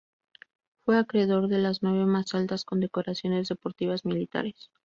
Fue acreedor de las nueve más altas condecoraciones deportivas militares.